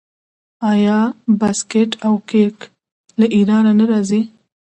آیا بسکیټ او کیک له ایران نه راځي؟